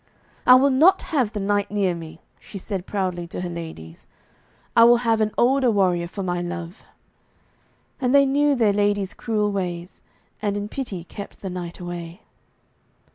'I will not have the knight near me,' she said proudly to her ladies. 'I will have an older warrior for my love.' And they knew their lady's cruel ways, and in pity kept the knight away.